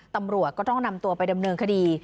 ตำรวจก็ต้องนำตัวไปดำเนินคดี